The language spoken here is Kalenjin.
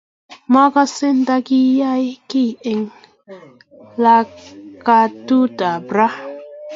Makase takiyay ki eng lakatut ab ra